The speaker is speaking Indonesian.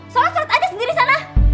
sholat aja sendiri sana